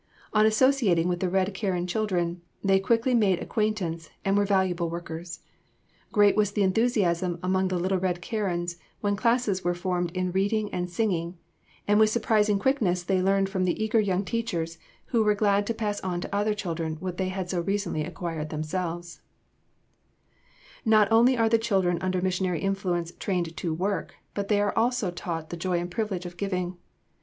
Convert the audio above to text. On associating with the Red Karen children, they quickly made acquaintance and were valuable workers. Great was the enthusiasm among the little Red Karens when classes were formed in reading and singing, and with surprising quickness they learned from their eager young teachers, who were glad to pass on to other children what they had so recently acquired themselves. [Sidenote: Generous givers in Japan.] Not only are the children under missionary influence trained to work, but they are also taught the joy and privilege of giving.